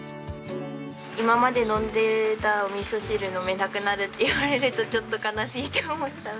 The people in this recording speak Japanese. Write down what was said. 今まで飲んでたお味噌汁飲めなくなるって言われるとちょっと悲しいと思ったので。